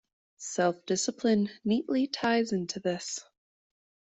Self-discipline neatly ties into this.